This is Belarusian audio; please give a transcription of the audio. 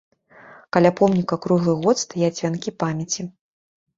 Каля помніка круглы год стаяць вянкі памяці.